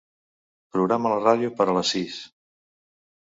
Programa la ràdio per a les sis.